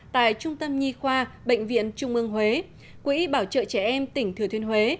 tại trung tâm nhi khoa bệnh viện trung ương huế quỹ bảo trợ trẻ em tỉnh thừa thiên huế